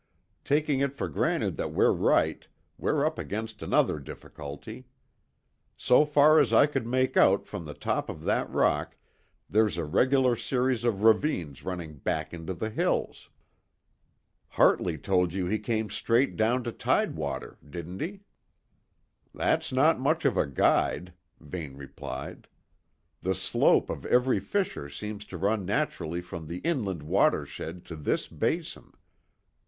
Taking it for granted that we're right, we're up against another difficulty. So far as I could make out from the top of that rock, there's a regular series of ravines running back into the hills." "Hartley told you he came straight down to tidewater, didn't he?" "That's not much of a guide," Vane replied. "The slope of every fissure seems to run naturally from the inland watershed to this basin.